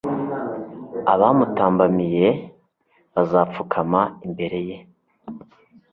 Abamutambamiye bazapfukama imbere ye